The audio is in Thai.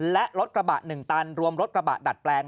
และรถกระบะ๑ตันรวมรถกระบะดัดแปลง